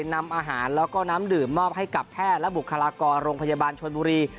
นำอาหารแล้วก็น้ำดื่มมอบให้กับแพทย์และบุคลากรโรงพยาบาลชนบุรี